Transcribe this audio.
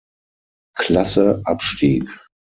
Klasse abstieg.